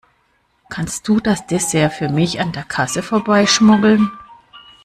Kannst du das Dessert für mich an der Kasse vorbeischmuggeln?